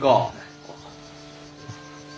あっ。